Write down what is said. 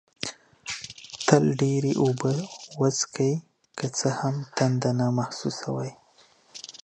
تل ډېري اوبه وڅېښئ، که څه هم تنده نه محسوسوئ